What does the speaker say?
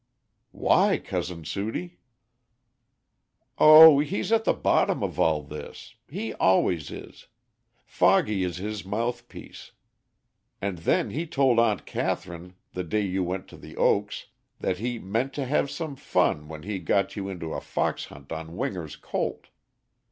"Why, Cousin Sudie?" "O he's at the bottom of all this. He always is. Foggy is his mouth piece. And then he told Aunt Catherine, the day you went to The Oaks, that he 'meant to have some fun when he got you into a fox hunt on Winger's colt.'